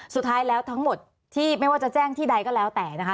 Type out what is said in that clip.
สุดท้ายแล้วทั้งหมดที่ไม่ว่าจะแจ้งที่ใดก็แล้วแต่นะคะ